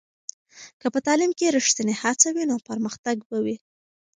که په تعلیم کې ریښتینې هڅه وي، نو پرمختګ به وي.